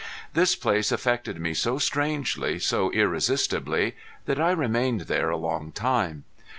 This place affected me so strangely, so irresistibly that I remained there a long time.